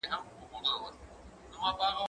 زه مخکي چپنه پاک کړې وه؟